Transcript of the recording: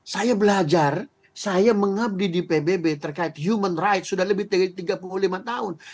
saya belajar saya mengabdi di pbb terkait human rights sudah lebih dari tiga puluh lima tahun